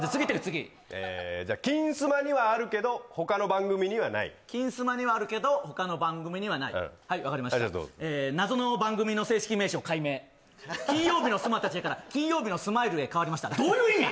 次じゃあ「金スマ」にはあるけど他の番組にはない「金スマ」にはあるけど他の番組にはないはい分かりましたじゃあどうぞ謎の番組の正式名称改名「金曜日のスマたちへ」から「金曜日のスマイル」へ変わりましたどういう意味？